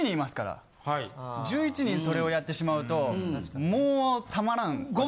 １１人それをやってしまうともうたまらん。